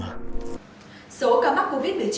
số ca mắc covid một mươi chín